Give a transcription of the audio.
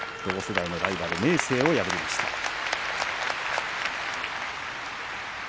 同世代のライバル明生を破りました。